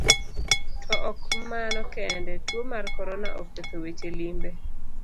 To ok mano kende, tuo mar korona oketho weche limbe.